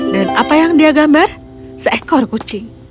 dan apa yang dia gambar seekor kucing